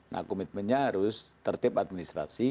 nah komitmennya harus tertib administrasi